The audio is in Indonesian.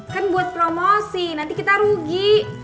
kan buat promosi nanti kita rugi